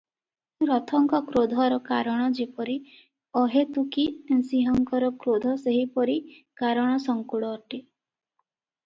ରଥଙ୍କ କ୍ରୋଧର କାରଣ ଯେପରି ଅହେତୁକି ସିଂହଙ୍କର କ୍ରୋଧ ସେହିପରି କାରଣ-ସଂକୁଳ ଅଟେ ।